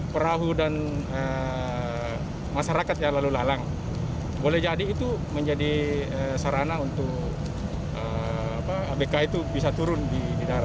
perahu dan masyarakat yang lalu lalang boleh jadi itu menjadi sarana untuk abk itu bisa turun di darat